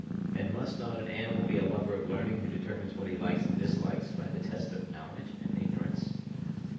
And must not an animal be a lover of learning who determines what he likes and dislikes by the test of knowledge and ignorance?